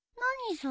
それ。